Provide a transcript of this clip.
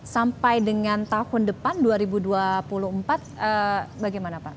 sampai dengan tahun depan dua ribu dua puluh empat bagaimana pak